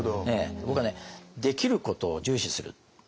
僕はねできることを重視する。